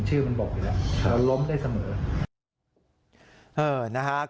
ชื่อมันบอกอยู่แล้วเราล้มได้เสมอ